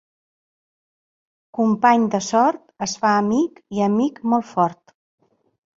Company de sort, es fa amic i amic molt fort.